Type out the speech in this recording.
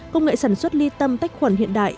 công nghệ sản xuất ly tâm tách khuẩn hiện đại